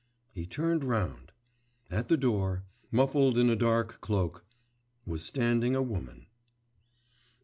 He turned round; at the door, muffled in a dark cloak, was standing a woman....